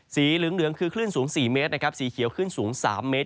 สีเหลืองคือสูง๓เมสต์สีเขียวคืนสูง๔เมสต์